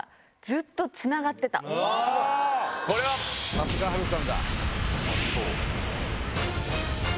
さすが波瑠さんだ。